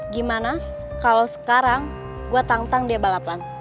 gimana kalau sekarang gue tantang dia balapan